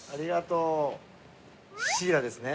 シイラですね。